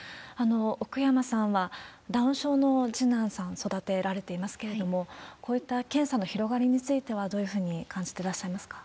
奥山さんは、ダウン症の次男さん、育てられていますけれども、こういった検査の広がりについては、どういうふうに感じてらっしゃいますか？